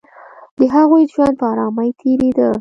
د هغوی ژوند په آرامۍ تېرېده